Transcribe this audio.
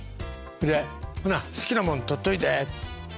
で「ほな好きなもん取っておいで」って